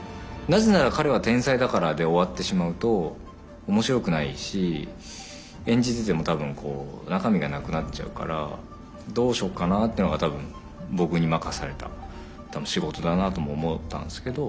「なぜなら彼は天才だから」で終わってしまうと面白くないし演じてても多分中身がなくなっちゃうからどうしようかなというのが多分僕に任された仕事だなとも思ったんですけど。